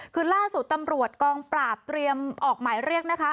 คือล่าสุดตำรวจกองปราบเตรียมออกหมายเรียกนะคะ